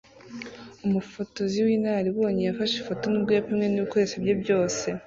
Umufotozi w'inararibonye yafashe ifoto nubwo yapimwe nibikoresho bye byose